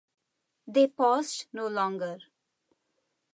They paused no longer.